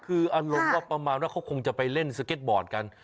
คืออารมณ์ก็ประมาณว่าเขาคงจะไปเล่นสเก็ตบอร์ดกัน